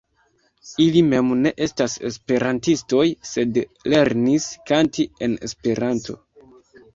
Ili mem ne estas Esperantistoj, sed lernis kanti en Esperanto.